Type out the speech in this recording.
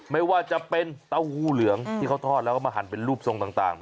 ไม่ว่าจะเป็นเต้าหู้เหลืองที่เขาทอดแล้วก็มาหั่นเป็นรูปทรงต่าง